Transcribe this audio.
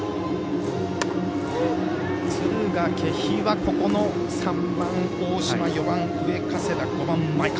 敦賀気比はここの３番、大島４番、上加世田５番、前川